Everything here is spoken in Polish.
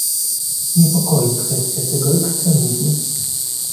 Niepokoi kwestia tego ekstremizmu